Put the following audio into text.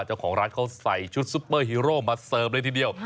เจ้าของร้านเขาใส่ชุดซุปเปอร์ฮีโร่มาเสิร์ฟเลยทีเดียว